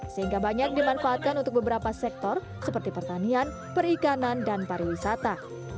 sehingga banyak dimanfaatkan untuk beberapa sektor seperti pertanian perikanan dan pariwisata